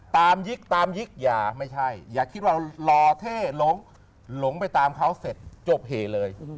ยิกตามยิกอย่าไม่ใช่อย่าคิดว่าเรารอเท่หลงหลงไปตามเขาเสร็จจบเหเลย